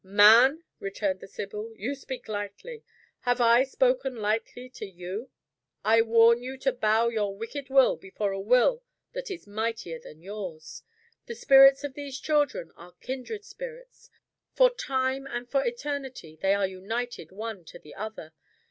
"Man!" returned the Sibyl, "you speak lightly. Have I spoken lightly to You? I warn you to bow your wicked will before a Will that is mightier than yours. The spirits of these children are kindred spirits. For time and for eternity they are united one to the other.